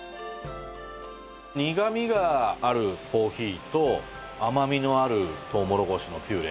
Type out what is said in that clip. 苦みがあるコーヒーと甘みのあるとうもろこしのピュレ。